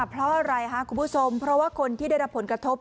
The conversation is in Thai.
เพราะอะไรคะคุณผู้ชมเพราะว่าคนที่ได้รับผลกระทบ